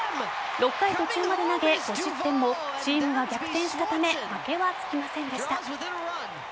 ６回途中まで投げ、５失点もチームが逆転したため負けはつきませんでした。